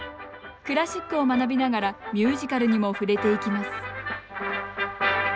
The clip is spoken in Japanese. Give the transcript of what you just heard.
クラシックを学びながらミュージカルにも触れていきます